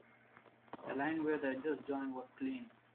The line where the edges join was clean.